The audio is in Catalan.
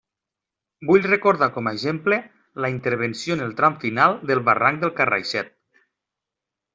Vull recordar com a exemple la intervenció en el tram final del Barranc del Carraixet.